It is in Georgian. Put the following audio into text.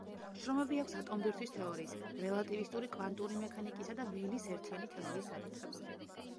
შრომები აქვს ატომბირთვის თეორიის, რელატივისტური კვანტური მექანიკისა და ველის ერთიანი თეორიის საკითხებზე.